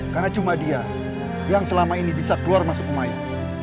karena cuma dia yang selama ini bisa keluar masuk kumbayan